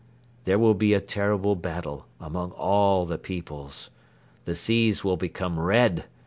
... There will be a terrible battle among all the peoples. The seas will become red